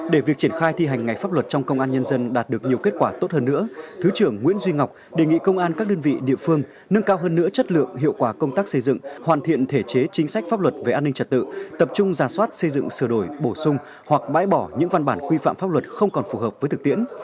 để việc triển khai thi hành ngày pháp luật trong công an nhân dân đạt được nhiều kết quả tốt hơn nữa thứ trưởng nguyễn duy ngọc đề nghị công an các đơn vị địa phương nâng cao hơn nữa chất lượng hiệu quả công tác xây dựng hoàn thiện thể chế chính sách pháp luật về an ninh trật tự tập trung giả soát xây dựng sửa đổi bổ sung hoặc bãi bỏ những văn bản quy phạm pháp luật không còn phù hợp với thực tiễn